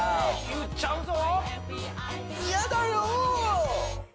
言っちゃうぞ！